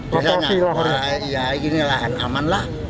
bisa nyapa ya ini lah aman lah